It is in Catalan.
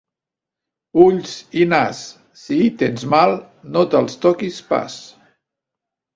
Ulls i nas, si hi tens mal, no te'ls toquis pas.